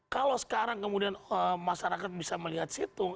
kalau sekarang kemudian masyarakat bisa melihat situng